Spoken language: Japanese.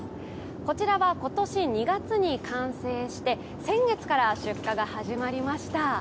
こちらは今年２月に完成して先月から出荷が始まりました。